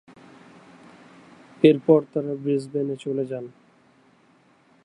এরপর তারা ব্রিসবেনে চলে যান।